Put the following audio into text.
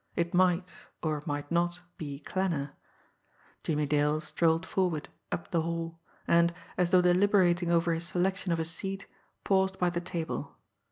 It might, or might not, be Klanner. Jimmie Dale strolled forward up the hall, and, as though deliberating over his selection of a seat, paused by the table.